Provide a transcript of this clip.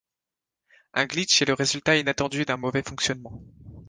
Un glitch est le résultat inattendu d'un mauvais fonctionnement.